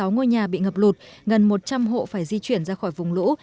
chín trăm hai mươi sáu ngôi nhà bị ngập lụt gần một trăm linh hộ phải di chuyển ra khỏi vùng lũ